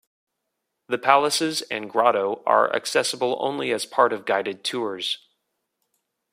The palaces and grotto are accessible only as part of guided tours.